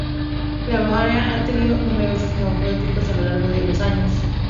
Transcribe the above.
La bahía ha tenido numerosos naufragios a lo largo de los años.